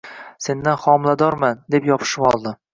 Sendan homiladorman, deb yopishib oldi